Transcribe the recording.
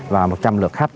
và một trăm linh lượt khách